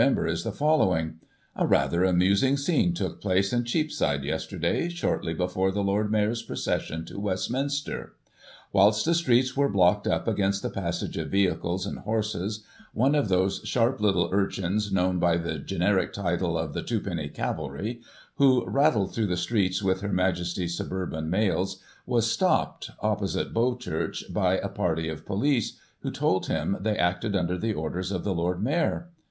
is the following :" A rather amus ing scene took place in Cheapside, yesterday, shortly before the Lord Mayor's procession tg Westminster. Whilst the streets were blocked up against the passage of vehicles and horses, one of those sharp little urchins, known by the generic title of the ' twopenny cavalry,' who rattle through the streets with Her Majesty's suburban mails, was stopped, opposite Bow Church, by a party of police, who told him they acted under the orders of the Lord Mayor.